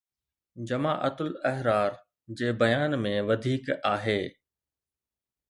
جماعت الاحرار جي بيان ۾ وڌيڪ آهي